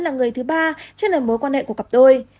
là người thứ ba trên nền mối quan hệ của cặp đôi